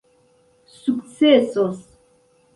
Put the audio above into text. sukcesos